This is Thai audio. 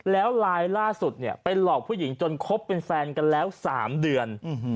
แล้วลายล่าสุดเนี่ยไปหลอกผู้หญิงจนคบเป็นแฟนกันแล้ว๓เดือน